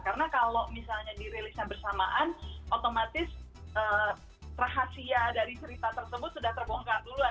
karena kalau misalnya dirilisnya bersamaan otomatis rahasia dari cerita tersebut sudah terbongkar dulu